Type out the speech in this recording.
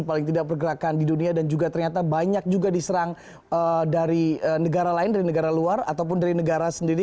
paling tidak pergerakan di dunia dan juga ternyata banyak juga diserang dari negara lain dari negara luar ataupun dari negara sendiri